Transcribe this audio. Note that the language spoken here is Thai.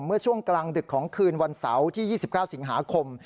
เมื่อช่วงกลางดึกของคืนวันเสาร์ที่๒๙สิงหาคม